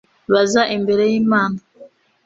baza imbere y'imana